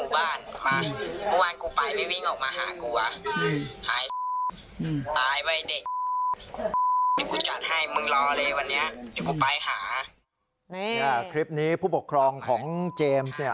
วันนี้ครีปนี้ผู้ปกครองของเจมส์นี่